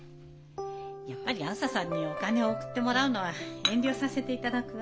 やっぱりあづささんにお金を送ってもらうのは遠慮させていただくわ。